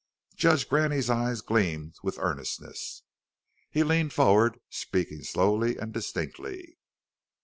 Judge Graney's eyes gleamed with earnestness. He leaned forward, speaking slowly and distinctly.